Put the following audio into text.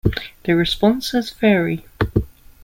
Their responses vary.